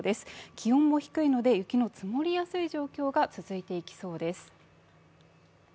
気温も低いので雪の積もりやすい状況が続いていきそうです。